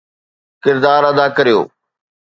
ڪردار ادا ڪريو